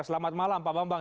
selamat malam pak bambang